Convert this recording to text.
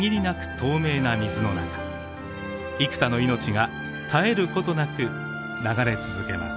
透明な水の中幾多の命が絶えることなく流れ続けます。